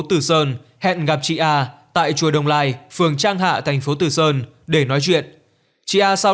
tử sơn hẹn gặp chị a tại chùa đồng lai phường trang hạ thành phố tử sơn để nói chuyện chị a sau